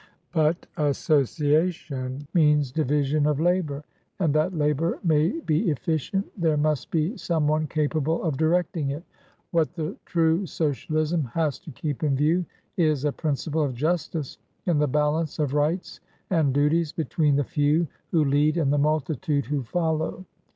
"But association means division of labour, and that labour may be efficient there must be some one capable of directing it. What the true Socialism has to keep in view is a principle of justice in the balance of rights and duties between the few who lead and the multitude who follow.